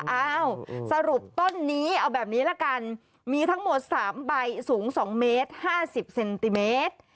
อ้าวสรุปต้นนี้เอาแบบนี้ละกันมีทั้งหมด๓ใบสูง๒เมตร๕๐เซนติเมตร